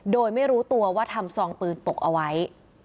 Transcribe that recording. โดยไม่รู้ตัวว่าทำซองปืนตกเอาไว้